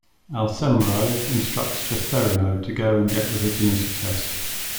Alsemero instructs Jasperino to go and get the virginity test.